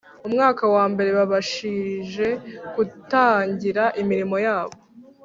umwaka wa mbere babashije kutangira imirimo yabo